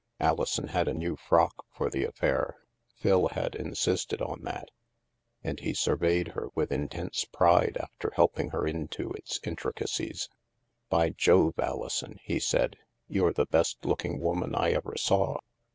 Alison had a new frock for the affair — Phil had insisted on that — and he surveyed her with intense pride after helping her into its intricacies. "By Jove, Alison," he said, "you're the best looking woman I ever saw.